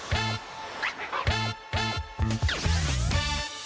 สวัสดีค่ะพี่แจงขอบคุณค่ะ